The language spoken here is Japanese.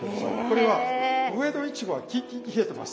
これは上のイチゴはキンキンに冷えてます。